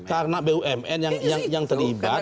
karena bumn yang terlibat